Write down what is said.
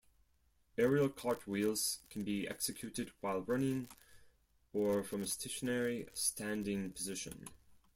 Aerial cartwheels can be executed while running or from a stationary, standing position.